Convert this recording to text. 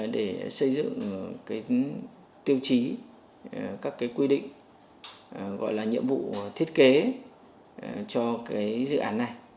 để xây dựng tiêu chí các quy định gọi là nhiệm vụ thiết kế cho dự án này